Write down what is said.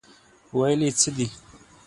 ویل یې څه دي.